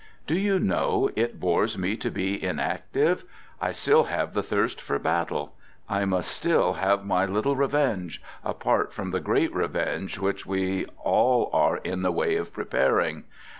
I Do you know, it bores me to be inactive, I still | have the thirst for battle. I must still have my : little revenge, apart from the great revenge which 5 we are all in the way of preparing.